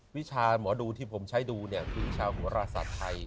วิชาหมอดูที่ผมใช้ดูเนี่ยคือชาวหัวราศาสน์ไทย